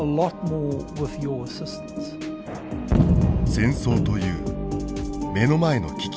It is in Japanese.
戦争という目の前の危機。